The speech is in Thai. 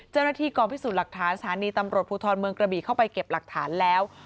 เศรษฐีกรพิสุทธิ์หลักฐานสถานีตำรวจพูทรเมืองกระบี่เข้าไปเก็บหลักฐานแล้ว